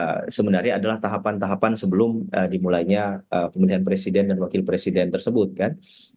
nah sebenarnya adalah tahapan tahapan sebelum dimulainya pemilihan presiden dan wakil presiden tersebut kan